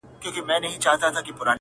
چي مي ښکار وي په هر ځای کي پیداکړی!!